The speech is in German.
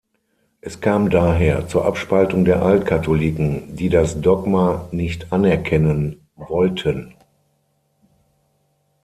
Es kam daher zur Abspaltung der Altkatholiken, die das Dogma nicht anerkennen wollten.